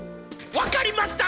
分かりました！